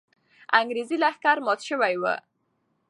انګریزي لښکر مات سوی وو.